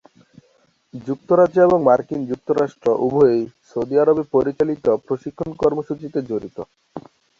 যুক্তরাজ্য এবং মার্কিন যুক্তরাষ্ট্র উভয়ই সৌদি আরবে পরিচালিত প্রশিক্ষণ কর্মসূচিতে জড়িত।